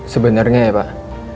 sebenarnya ya pak